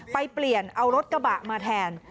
ไปเปลี่ยนเอารถกระบะมาแทน